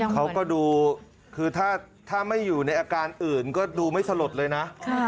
เขาก็ดูคือถ้าไม่อยู่ในอาการอื่นก็ดูไม่สลดเลยนะ